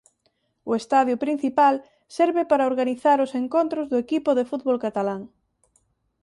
O estadio principal serve para organizar os encontros do equipo de fútbol catalán.